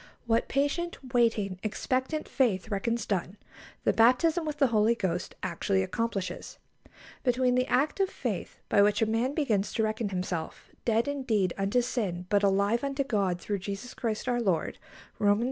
What patient, waiting, expectant faith reckons done, the baptism with the Holy Ghost actually accomplishes. Between the act of faith by which a man begins to reckon himself "dead indeed unto sin, but alive unto God through Jesus Christ our Lord" (Romans vi.